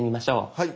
はい。